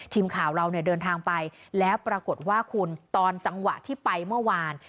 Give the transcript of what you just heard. ทีมข่าวเราเนี่ยเดินทางไปแล้วปรากฏว่าคุณตอนจังหวะที่ไปเมื่อวาน